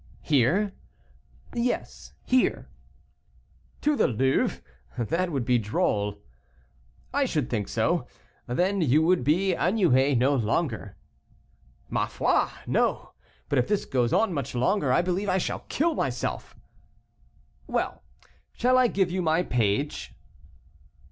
"Here!" "Yes, here." "To the Louvre, that would be droll." "I should think so. Then you would be ennuyé no longer?" "Ma foi! no, but if this goes on much longer, I believe I shall kill myself." "Well! shall I give you my page?"